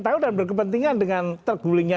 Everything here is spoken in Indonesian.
tahu dan berkepentingan dengan tergulingnya